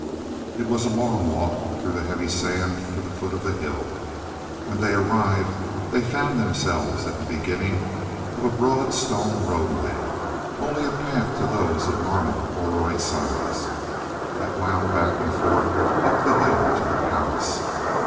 It was a long walk through the heavy sand to the foot of the hill. When they arrived they found themselves at the beginning of a broad stone roadway only a path to those of normal Oroid size that wound back and forth up the hill to the palace.